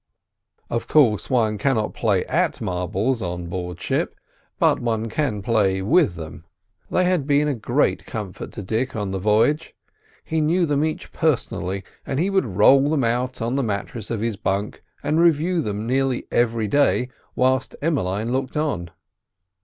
Of course one cannot play at marbles on board ship, but one can play with them. They had been a great comfort to Dick on the voyage. He knew them each personally, and he would roll them out on the mattress of his bunk and review them nearly every day, whilst Emmeline looked on.